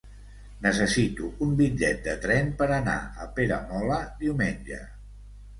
Necessito un bitllet de tren per anar a Peramola diumenge.